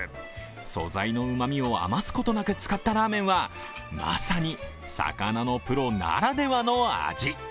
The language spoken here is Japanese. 素材のうまみを余すことなく使ったラーメンはまさに、魚のプロならではの味。